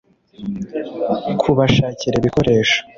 kubashakira ibikoresho